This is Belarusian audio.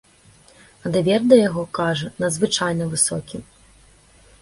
А давер да яго, кажа, надзвычайна высокі.